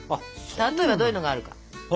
例えばどういうのがあるか。